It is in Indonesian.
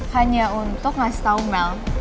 hanya untuk ngasih tau mel